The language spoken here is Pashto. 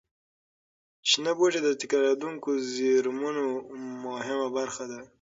شنه بوټي د تکرارېدونکو زېرمونو مهمه برخه ده.